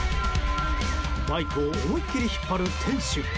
バイクを思いっきり引っ張る店主。